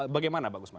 bagaimana pak usman